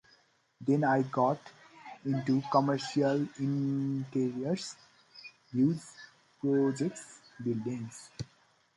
Then I got into commercial interiors, huge projects, buildings.